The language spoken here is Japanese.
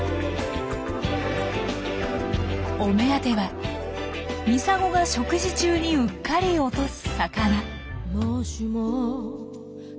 お目当てはミサゴが食事中にうっかり落とす魚。